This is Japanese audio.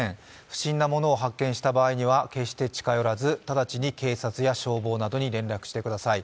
不審な物を発見した場合には決して近寄らず直ちに警察や消防などに連絡してください。